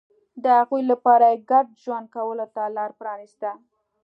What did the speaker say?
د هغوی لپاره یې ګډ ژوند کولو ته لار پرانېسته.